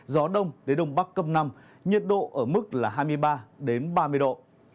gió đông đến đông bắc cấp năm nhiệt độ ở mức là hai mươi ba ba mươi độ